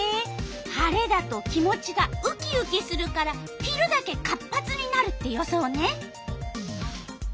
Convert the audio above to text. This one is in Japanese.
晴れだと気持ちがウキウキするから昼だけ活発になるって予想ね。